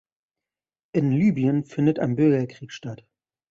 In Libyen findet ein Bürgerkrieg statt.